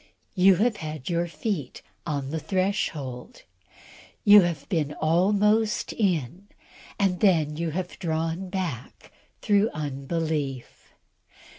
You have had your feet on the threshhold! You have been almost in, and then you have drawn back through unbelief.